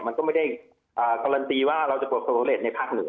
มันก็ไม่ได้การันตีว่าเราจะปลอดภัยในภาคเหนือ